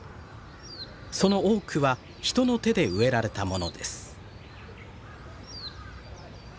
その多くは人の手で植えられたものです。